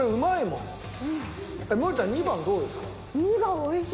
もえちゃん２番どうですか？